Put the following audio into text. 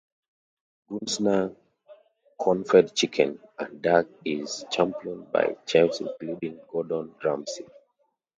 Goosnargh Cornfed Chicken and Duck is championed by chefs including Gordon Ramsay.